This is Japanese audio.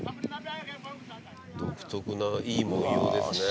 独特ないい紋様ですね。